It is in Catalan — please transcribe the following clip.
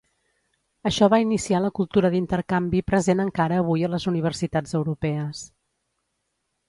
Això va iniciar la cultura d'intercanvi present encara avui a les universitats europees.